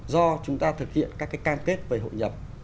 do chúng ta thực hiện các cái can kết về hội nhập